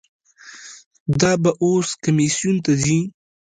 دا به اوس کمیسیون ته ځي.